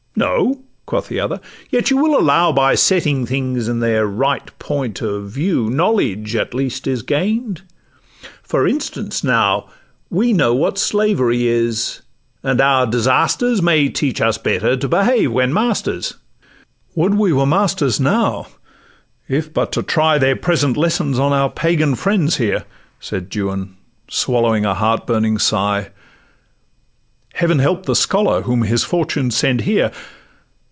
'No?' quoth the other; 'yet you will allow By setting things in their right point of view, Knowledge, at least, is gain'd; for instance, now, We know what slavery is, and our disasters May teach us better to behave when masters.' 'Would we were masters now, if but to try Their present lessons on our Pagan friends here,' Said Juan,—swallowing a heart burning sigh: 'Heaven help the scholar whom his fortune sends here!